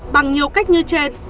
bằng nhiều cách như trên